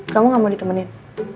kamu nggak mau ditemenin